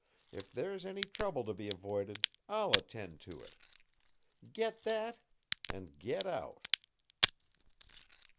If there's any trouble to be avoided, I'll attend to it. Get that! and get out!"